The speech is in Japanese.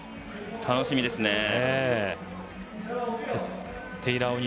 楽しみですね。